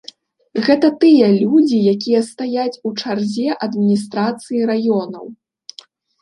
Гэта тыя людзі, якія стаяць у чарзе адміністрацыі раёнаў.